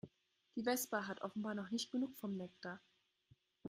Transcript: Die Wespe hat offenbar noch nicht genug vom Nektar.